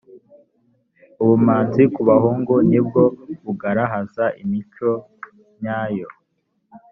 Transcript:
ubumanzi kubahungu nibwo bugarahaza imico nyayo.